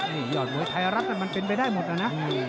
นี่ยอดมวยไทยรัฐมันเป็นไปได้หมดนะ